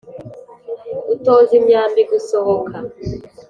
Utoza imyambi gusohoka